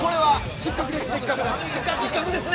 失格ですね。